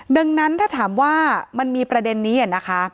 ดังนั้นถ้าถามว่ามันมีประเด็นนี้นะคะ